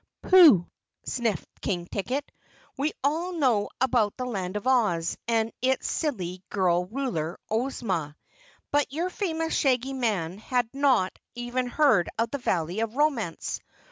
"Pooh!" sniffed King Ticket. "We know all about the Land of Oz and its silly girl ruler, Ozma. But your famous Shaggy Man had not even heard of the Valley of Romance.